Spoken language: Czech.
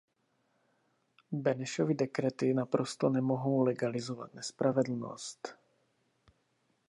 Benešovy dekrety naprosto nemohou legalizovat nespravedlnost.